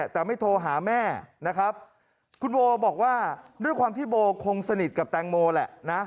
แต่ไม่โทรหาแม่นะครับคุณโบบอกว่าด้วยความที่โบคงสนิทกับแตงโมแหละนะ